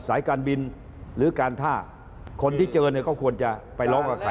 สายการบินหรือการท่าคนที่เจอเนี่ยก็ควรจะไปร้องกับใคร